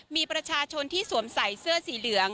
มีประชาชนที่สวมใส่เสื้อสีเหลือง